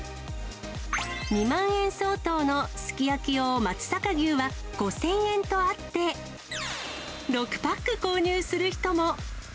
２万円相当のすき焼き用松阪牛は５０００円とあって、６パック購入する人も。